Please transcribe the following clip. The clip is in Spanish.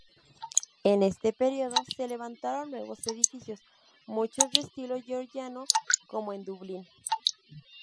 En este período se levantaron nuevos edificios, muchos de estilo georgiano, como en Dublín.